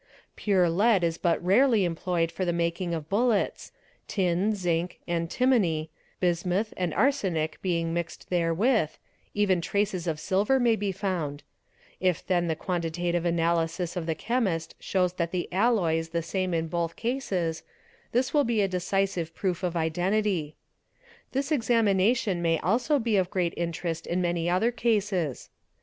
Pure lead is but rarely employed for the making of bullets, tin, zine, antimony, bismuth, and arsenic being mixed therewith, even traces of — silver may be found; if then the quantitative analysis of the chemist shows that the alloy is the same in both cases, this will be a decisive proof of identity. This examination may also be of great interest in many other cases.